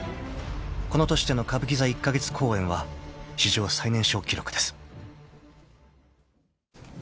［この年での歌舞伎座１カ月公演は史上最年少記録です］